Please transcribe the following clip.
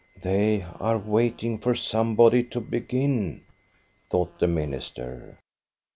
"They are waiting for somebody to begin," thought the minister.